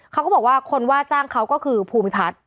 เขาก็บอกว่าคนว่าจ้างเขาก็คือภูมิพัฒน์